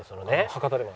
博多でも。